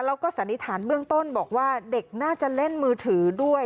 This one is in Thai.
แล้วก็สันนิษฐานเบื้องต้นบอกว่าเด็กน่าจะเล่นมือถือด้วย